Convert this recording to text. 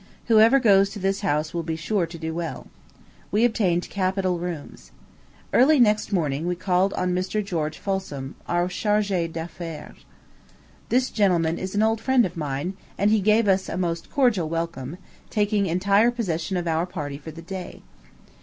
Whoever goes to this house will be sure to do well. We obtained capital rooms. Early next morning we called on Mr. George Folsom, our chargé d'affaires. This gentleman is an old friend of mine; and he gave us a most cordial welcome, taking entire possession of our party for the day.